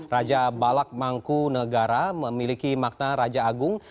raja balakmangku negara memiliki makna raja agung